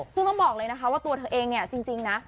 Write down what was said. ซึ่งต้องบอกเลยนะคะว่าตัวเธอเองเนี่ยจริงนะ